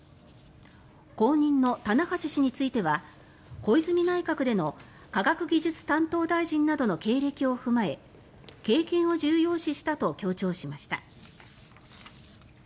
後任の棚橋氏については小泉内閣での科学技術担当大臣などの経験を踏まえ経験を重要視したと強調しました。